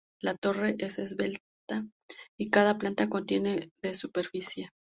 La torre es esbelta, y cada planta contiene de superficie.